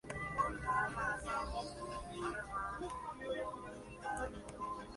Justin Chang de Variety dio una crítica positiva de la película.